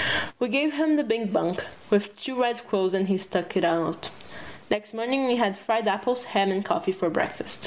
We gave him the big bunk with two red quilts, and he stuck it out. Next morning we had fried apples, ham and coffee for breakfast.